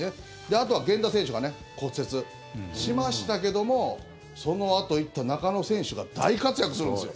あとは源田選手が骨折しましたけどもそのあと行った中野選手が大活躍するんですよ。